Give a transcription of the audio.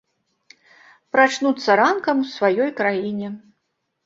Прачнуцца ранкам у сваёй краіне.